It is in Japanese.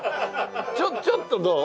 ちょっとどう？